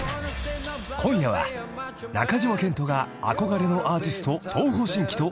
［今夜は中島健人が憧れのアーティスト東方神起と初対談］